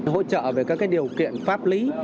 hỗ trợ về các điều kiện pháp lý